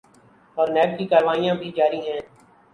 اورنیب کی کارروائیاں بھی جاری ہیں۔